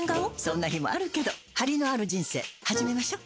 そんな日もあるけどハリのある人生始めましょ。